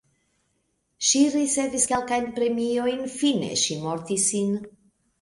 Ŝi ricevis kelkajn premiojn, fine ŝi mortis sin.